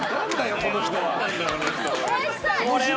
この人は。